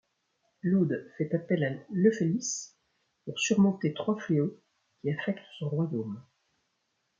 Lludd fait appel à Llefelys pour surmonter trois fléaux qui affectent son royaume.